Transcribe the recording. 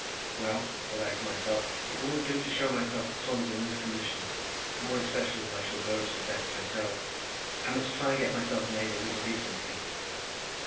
"Well," said I to myself, "it won't do to show myself at Swansea in this condition, more especially as I shall go to the best hotel; I must try and get myself made a little decent here."